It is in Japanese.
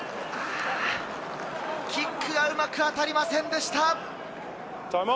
キックはうまく当たりませんでした。